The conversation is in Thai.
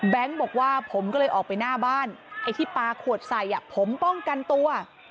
บอกว่าผมก็เลยออกไปหน้าบ้านไอ้ที่ปลาขวดใส่ผมป้องกันตัว